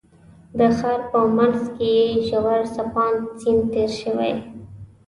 د ښار په منځ کې یې ژور څپاند سیند تېر شوی.